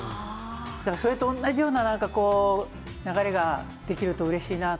だからそれと同じような流れができるとうれしいなと。